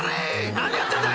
何やってんだ！